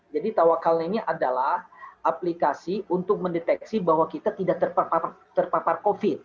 jadi tawakalna ini adalah aplikasi untuk mendeteksi bahwa kita tidak terpapar covid